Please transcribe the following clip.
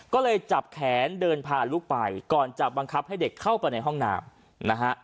ก็เลยจับแขนเดินพาลูกไปก่อนจะบังคับให้เด็กเข้าไปในห้องน้ำนะฮะ